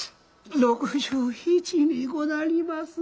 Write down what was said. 「６７にござります」。